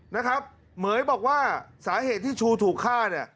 นะครับเหม๋ยบอกว่าสาเหตุที่ชูถูกฆ่าเนี่ย